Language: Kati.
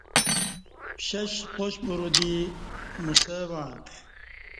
پشش پاشپورو دی موسہ وعݩتہ